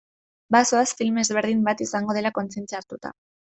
Bazoaz, film ezberdin bat izango dela kontzientzia hartuta.